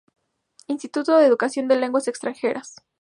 Instituto de Educación en lenguas extranjeras